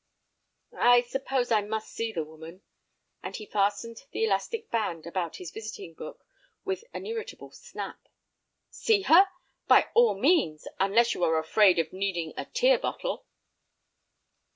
"I suppose I must see the woman," and he fastened the elastic band about his visiting book with an irritable snap. "See her? By all means, unless you are afraid of needing a tear bottle."